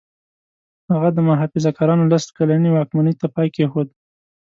هغه د محافظه کارانو لس کلنې واکمنۍ ته پای کېښود.